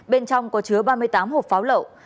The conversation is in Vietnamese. bên trong có chứa ba mươi tám hộp pháo lậu